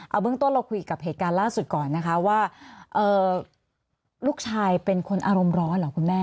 เอาเบื้องต้นเราคุยกับเหตุการณ์ล่าสุดก่อนนะคะว่าลูกชายเป็นคนอารมณ์ร้อนเหรอคุณแม่